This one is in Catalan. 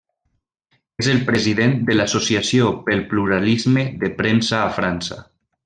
És el president de l'Associació pel Pluralisme de Premsa a França.